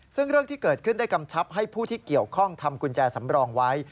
ซึ่งเรื่องที่เกิดขึ้นได้กำชับให้ผู้ที่เกี่ยวข้องทำกุญแจสำรองไว้